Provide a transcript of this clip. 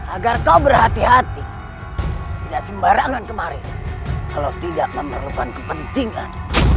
agar kau berhati hati tidak sembarangan kemarin kalau tidak memerlukan kepentingan